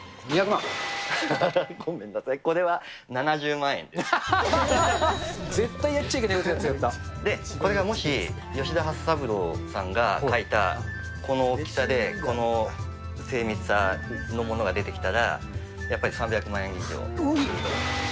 ごめんなさい、これは７０万絶対やっちゃいけないことやこれがもし、吉田初三郎さんが描いたこの大きさで、この精密さのものが出てきたら、やっぱり３００万円以上すると思います。